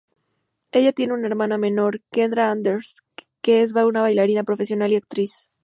Ella tiene una hermana menor, Kendra Andrews, que es una bailarina profesional y actriz.